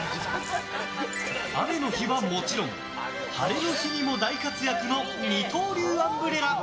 雨の日はもちろん晴れの日にも大活躍の二刀流アンブレラ。